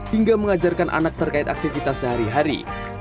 hingga mengajarkan anak terkait aktivitas sehari hari